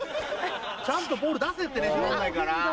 ちゃんとボール出せって練習になんないから。